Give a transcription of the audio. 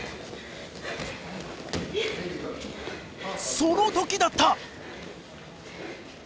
そのときだった！